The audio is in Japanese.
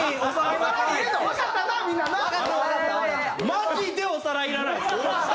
マジでおさらいいらないです。